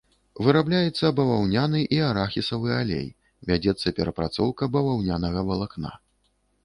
Вырабляецца баваўняны і арахісавы алей, вядзецца перапрацоўка баваўнянага валакна.